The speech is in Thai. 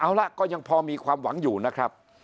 เอาละก็ยังพอมีความหวังอยู่นะครับ